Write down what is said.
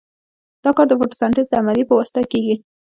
دا کار د فوتو سنتیز د عملیې په واسطه کیږي.